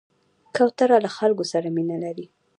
کوتره له خلکو سره مینه لري.